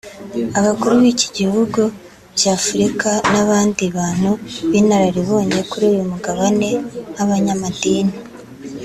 Abakuru b’ibihugu by’Afuruka n’abandi bantu b’inararibonye kuri uy umugabane nk’abanyamadini